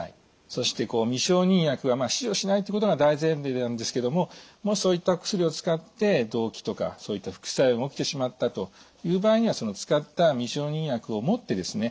そして未承認薬は使用しないということが大前提なんですけどももしそういったお薬を使って動悸とかそういった副作用が起きてしまったという場合にはその使った未承認薬を持ってですね